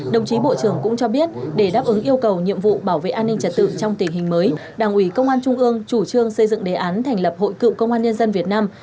đồng chí bộ trưởng cũng cho biết để đáp ứng yêu cầu nhiệm vụ bảo vệ an ninh trật tự trong tình hình mới đảng ủy công an trung ương chủ trương xây dựng đề án thành lập hội cựu công an nhân dân việt nam